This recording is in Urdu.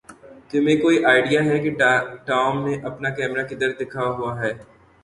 تمھیں کوئی آئڈیا ہے کہ ٹام نے اپنا کیمرہ کدھر دکھا ہوا ہے؟